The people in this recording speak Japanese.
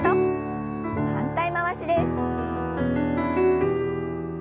反対回しです。